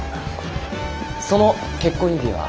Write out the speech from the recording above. その結婚指輪。